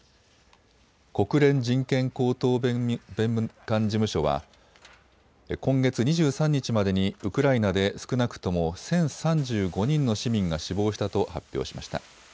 国連人権高等弁務官事務所は今月２３日までにウクライナで少なくとも１０３５人の市民が死亡したと発表しました。